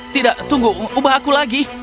tidak tunggu ubah aku lagi